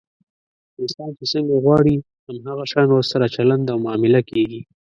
انسان چې څنګه غواړي، هم هغه شان ورسره چلند او معامله کېږي.